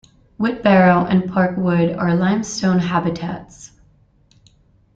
Whitbarrow and Park Wood are limestone habitats.